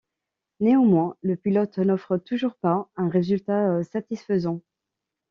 Néanmoins le pilote n'offre toujours pas un résultat satisfaisant.